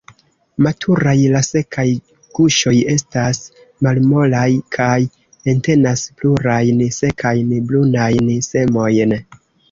Maturaj, la sekaj guŝoj estas malmolaj kaj entenas plurajn, sekajn, brunajn semojn.